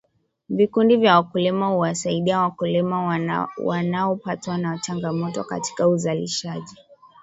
vikundi vya wakulima huwasaidi wakulima wanaopatwa na changamoto katika uzalishaji